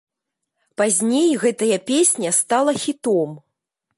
Пазней гэтая песня стала хітом.